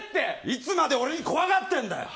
いつまで俺に怖がってんだよ。